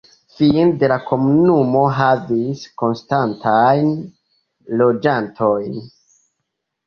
Fine de la komunumo havis konstantajn loĝantojn.